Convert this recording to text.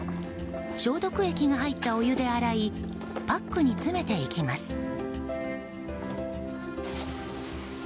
消毒液が入ったお湯で洗いパックに詰めていきます。